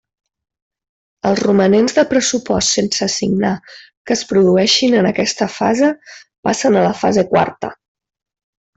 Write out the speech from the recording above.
Els romanents de pressupost sense assignar que es produeixin en aquesta fase passen a la fase quarta.